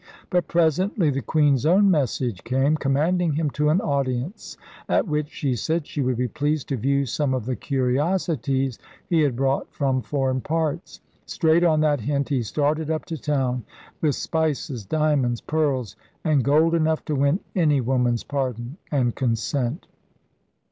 But presently the Queen's own message came, commanding him to an audience at which, she said, she would be pleased to view some of the curiosities he had brought from foreign parts. Straight on that hint he started up to town with spices, diamonds, pearls, and gold enough to win any woman's pardon and consent.